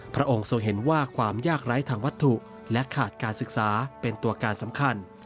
พระองค์ทรงเห็นว่าความยากไร้ทางวัตถุและขาดการศึกษาเป็นตัวการสำคัญ